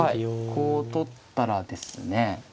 こう取ったらですね